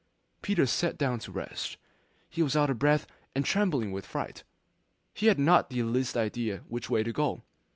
Peter sat down to rest; he was out of breath and trembling with fright, and he had not the least idea which way to go.